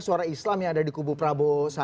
suara islam yang ada di kubu prabowo